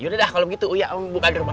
yaudah dah kalo gitu uya om buka dulu ya